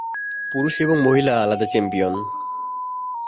পুরুষ এবং মহিলা আলাদা চ্যাম্পিয়ন।